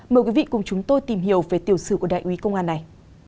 mời quý vị cùng chúng tôi tìm hiểu về tiểu sư của đại ưu công an này